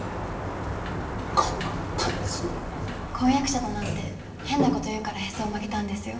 困ったやつだ婚約者だなんて変なこと言うからへそを曲げたんですよ